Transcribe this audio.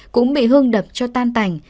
cũng bị hưng đập cho tan tành